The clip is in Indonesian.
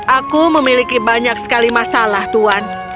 aku memiliki banyak sekali masalah tuan